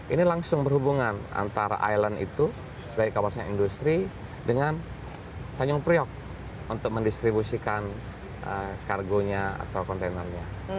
ini langsung berhubungan antara island itu sebagai kawasan industri dengan tanjung priok untuk mendistribusikan kargonya atau kontainernya